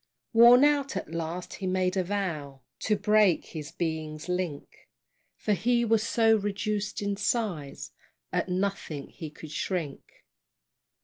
Worn out, at last he made a vow To break his being's link; For he was so reduced in size, At nothing he could shrink.